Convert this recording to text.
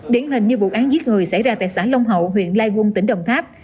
điển hình như vụ án giết người xảy ra tại xã long hậu huyện lai vung tỉnh đồng tháp